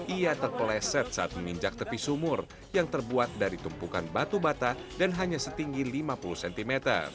ia terpeleset saat menginjak tepi sumur yang terbuat dari tumpukan batu bata dan hanya setinggi lima puluh cm